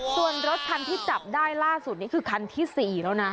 ส่วนรถคันที่จับได้ล่าสุดนี่คือคันที่๔แล้วนะ